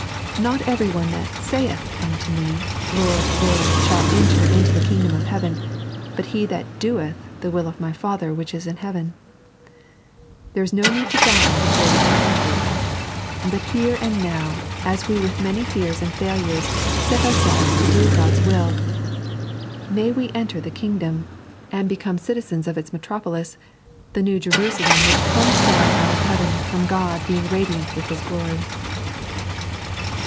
"Not every one that aaith unto me, Lord, Lord, shall enter into the Kingdom of heaven, but he that doelh the will of My Father which is in heaven." There is no need to die before we can enter it ; but here and now, as we with many fears and failures set ourselvee to do Ood'a will, we may enter the Kingdom, and become citizens of its 3.n.iized by Google 190 CpDRTEEFBITS —" BeWAEB !" metropoUH — the New JeruBalem which comes down ont of heAven from God being radiant with Hit glory.